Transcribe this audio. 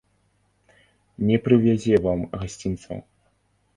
Не прывязе вам гасцінцаў.